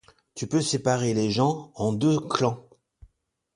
tu peux séparer les gens en deux clans.